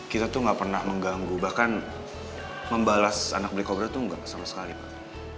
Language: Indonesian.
kita tuh gak pernah mengganggu bahkan membalas anak black cobra tuh gak sama sekali pak